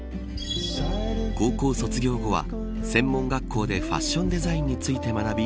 高校卒業後は専門学校でファッションデザインについて学び